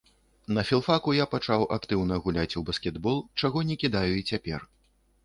На філфаку я пачаў актыўна гуляць у баскетбол, чаго не кідаю і цяпер.